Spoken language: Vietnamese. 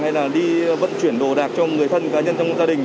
hay là đi vận chuyển đồ đạc cho người thân cá nhân trong gia đình